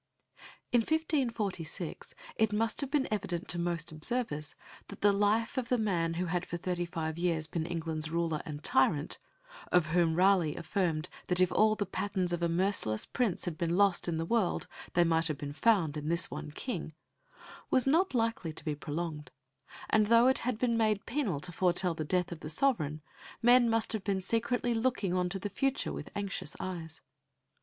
In 1546 it must have been evident to most observers that the life of the man who had for thirty five years been England's ruler and tyrant of whom Raleigh affirmed that if all the patterns of a merciless Prince had been lost in the world they might have been found in this one King was not likely to be prolonged; and though it had been made penal to foretell the death of the sovereign, men must have been secretly looking on to the future with anxious eyes.